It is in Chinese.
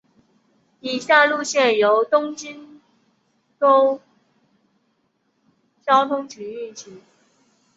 以下路线由东京都交通局运行。